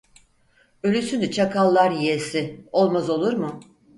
Ölüsünü çakallar yiyesi, olmaz olur mu?